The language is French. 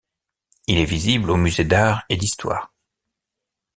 Il est visible au musée d'art et d'histoire.